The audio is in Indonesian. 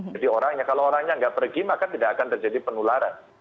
jadi orangnya kalau orangnya nggak pergi maka tidak akan terjadi penularan